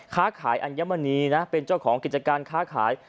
ค้าขายอัญมณีนะเป็นเจ้าของกิจการค้าขาย